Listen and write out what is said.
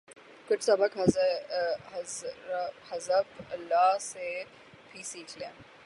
کچھ سبق حزب اللہ سے بھی سیکھ لیں۔